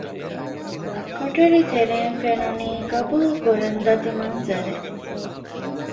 ކޮޓަރި ތެރެއިން ފެނުނީ ގަބޫލު ކުރަން ދަތި މަންޒަރެއް